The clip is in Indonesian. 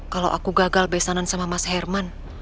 kalau aku gagal besanan sama mas herman